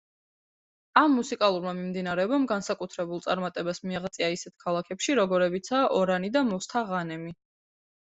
ამ მუსიკალურმა მიმდინარეობამ განსაკუთრებულ წარმატებას მიაღწია ისეთ ქალაქებში როგორებიცაა ორანი და მოსთაღანემი.